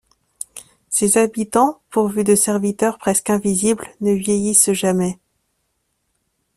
Ses habitants, pourvus de serviteurs presque invisibles, ne vieillissent jamais.